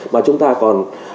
mà chúng ta còn